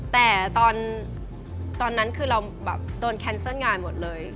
แต่ตอนนั้นคือเราโดนส่งงานหมดเลย